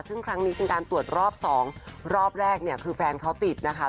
ซึ่งครั้งนี้เป็นการตรวจรอบสองรอบแรกเนี่ยคือแฟนเขาติดนะคะ